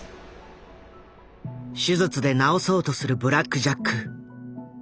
手術で治そうとするブラック・ジャック。